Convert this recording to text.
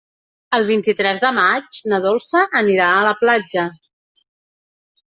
El vint-i-tres de maig na Dolça anirà a la platja.